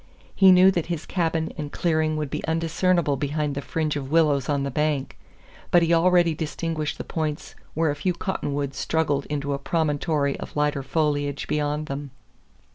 He knew that his cabin and clearing would be undiscernible behind the fringe of willows on the bank, but he already distinguished the points where a few cottonwoods struggled into a promontory of lighter foliage beyond them.